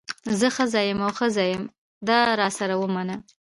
زه ښځه یم او ښځه یم دا راسره ومنه.